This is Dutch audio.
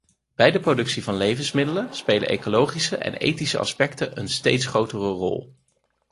Bij de productie van levensmiddelen spelen ecologische en ethische aspecten een steeds grotere rol.